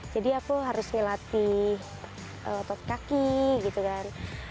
jadi aku harus ngelatih otot kaki gitu kan